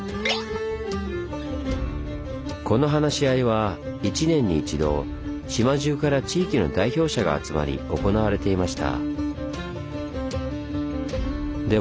この話し合いは１年に１度島じゅうから地域の代表者が集まり行われていました。